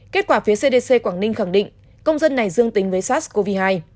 kết quả phía cdc quảng ninh khẳng định công dân này dương tính với sars cov hai